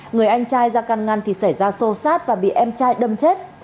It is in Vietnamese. người anh trai ra căn ngăn thì xảy ra sô sát và bị em trai đâm chết